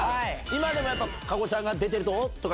今でも加護ちゃんが出てると。